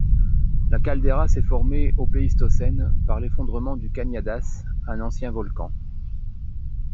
La caldeira s'est formée au Pléistocène par l'effondrement du Cañadas, un ancien volcan.